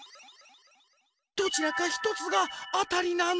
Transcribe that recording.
どちらかひとつがあたりなの。